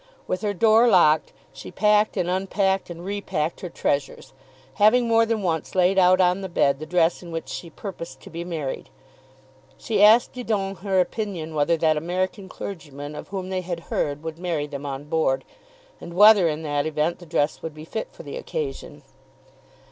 With her door locked, she packed and unpacked and repacked her treasures, having more than once laid out on the bed the dress in which she purposed to be married. She asked Didon her opinion whether that American clergyman of whom they had heard would marry them on board, and whether in that event the dress would be fit for the occasion.